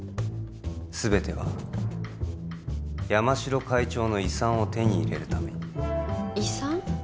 すべては山城会長の遺産を手に入れるために遺産？